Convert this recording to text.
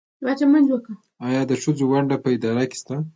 آیا د ښځو ونډه په اداره کې شته؟